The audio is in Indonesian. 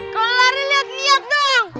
kalau lari lihat lihat dong